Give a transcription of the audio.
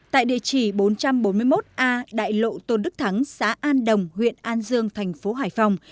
tại địa chỉ bốn trăm bốn mươi một a đại lộ tôn đức thắng xã an đồng huyện an dương thành phố hải phòng